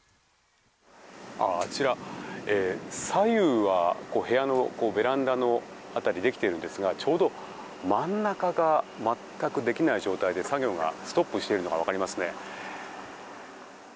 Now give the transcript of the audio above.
あちら、左右は部屋のベランダの辺りできているんですがちょうど真ん中が全くできない状態で作業がストップしているのが分かりますね。